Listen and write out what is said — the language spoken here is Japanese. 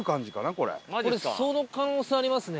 これその可能性ありますね。